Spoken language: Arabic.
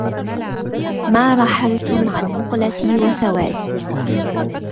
ما رحلتم عن مقلتي وسوادي